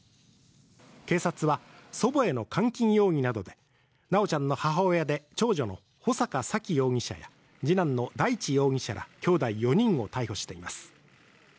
警察は祖母への監禁容疑などで修ちゃんの母親で長女の穂坂沙喜容疑者や次男の大地容疑者らきょうだい４人を逮捕しています。